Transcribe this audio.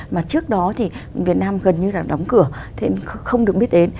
mà trước đó thì việt nam gần như là đóng cửa không được biết đến